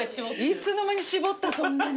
いつの間に絞ったそんなに。